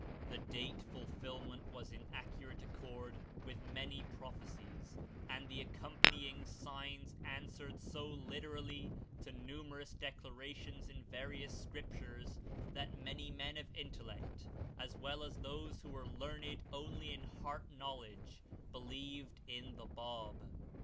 The date fulfilment was in accurate accord with many prophecies, and the accompanying "signs" answered so literally to numerous declarations in var ious scriptures that many men of intellect, as well as those who were learned only in heart knowledge, be lieved in the Bab.